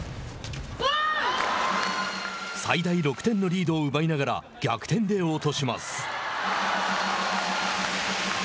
最大６点のリードを奪いながら逆転で落とします。